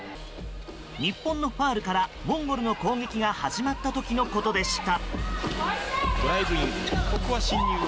日本のファウルからモンゴルの攻撃が始まった時でした。